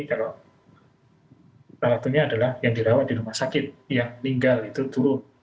kalau salah satunya adalah yang dirawat di rumah sakit yang meninggal itu turun